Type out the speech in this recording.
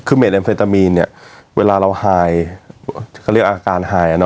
คือแอล์เฟรตามินเวลาเราฮายเขาเรียกอาการฮาย